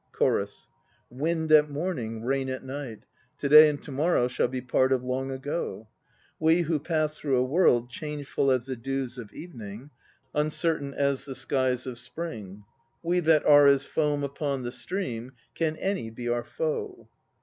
CHORUS. Wind at morning, rain at night; To day and to morrow Shall be part of long ago. We who pass through a world Changeful as the dews of evening, Uncertain as the skies of Spring, We that are as foam upon the stream, Can any be our foe?